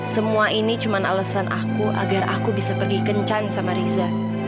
semua ini cuma alasan aku agar aku bisa pergi kencan sama riza